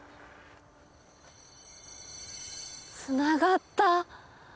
つながった！